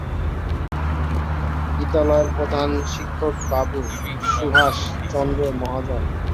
বিদ্যালয়ের প্রধান শিক্ষক বাবু সুভাষ চন্দ্র মহাজন।